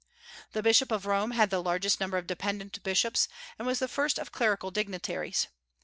The Bishop of Rome had the largest number of dependent bishops, and was the first of clerical dignitaries.